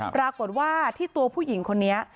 ปรากฏว่าที่ตัวผู้หญิงคนนี้